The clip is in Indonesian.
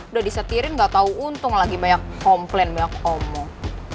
udah disetirin gak tau untung lagi banyak komplain banyak omong